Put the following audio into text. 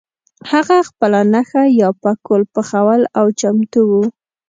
هغه خپله نښه یا پکول پخول او چمتو وو.